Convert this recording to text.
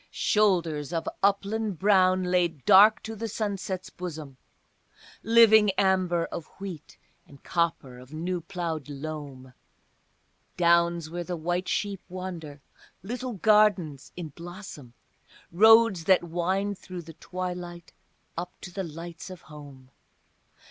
Shoulders of upland brown laid dark to the sunset's bosom, Living amber of wheat, and copper of new ploughed loam, Downs where the white sheep wander, little gardens in blossom, Roads that wind through the twilight up to the lights of home.